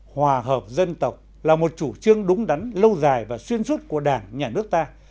hòa hợp dân tộc là một chủ trương đúng đắn lâu dài và xuyên suốt của đảng nhà nước ta